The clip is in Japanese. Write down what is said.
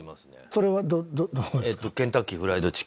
それはどこですか？